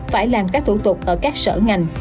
phải làm các thủ tục ở các sở ngành